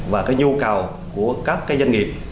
và cái nhu cầu của các doanh nghiệp